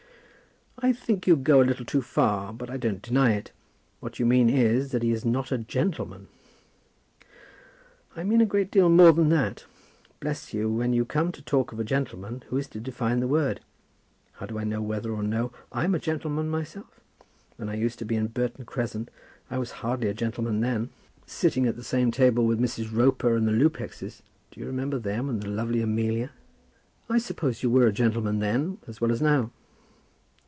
"I think you go a little too far, but I don't deny it. What you mean is, that he's not a gentleman." "I mean a great deal more than that. Bless you, when you come to talk of a gentleman, who is to define the word? How do I know whether or no I'm a gentleman myself? When I used to be in Burton Crescent, I was hardly a gentleman then, sitting at the same table with Mrs. Roper and the Lupexes; do you remember them, and the lovely Amelia?" "I suppose you were a gentleman, then, as well as now."